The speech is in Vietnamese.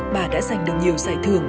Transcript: bà đã giành được nhiều giải thưởng